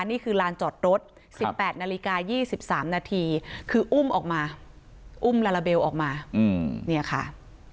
นี่คือลานจอดรถ๑๘นาฬิกา๒๓นาทีคืออุ้มออกมาอุ้มลาลาเบลออกมาเนี่ยค่ะ